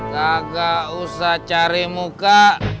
kagak usah cari muka